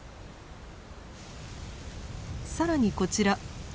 更にこちら。